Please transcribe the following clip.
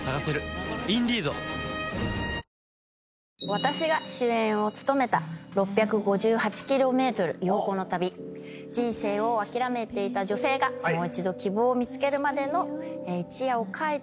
私が主演を務めた『６５８ｋｍ、陽子の旅』人生を諦めていた女性がもう一度希望を見つけるまでの一夜を描いたロードムービーです。